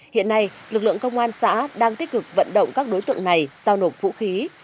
hiện nay lực lượng công an xã đang tích cực vận động các đối tượng này giao nộp vũ khí